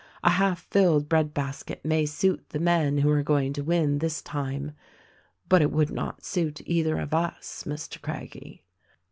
A half filled bread basket may suit the men who are going to win this time ; but it would not suit either of us, Mr. Craggie.